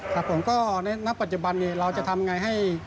ครับผมก็ในปัจจุบันเราจะทำอย่างไร